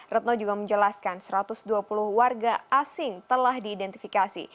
retno juga menjelaskan satu ratus dua puluh warga asing telah diidentifikasi